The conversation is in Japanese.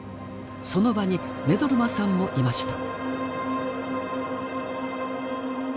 その場に目取真さんもいました。